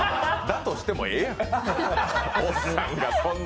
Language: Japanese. だとしても、ええやん。